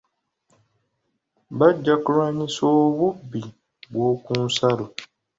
Bajja kulwanyisa obubbi bw'oku nsalo.